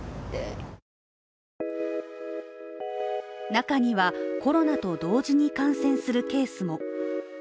中には、コロナと同時に感染するケースも。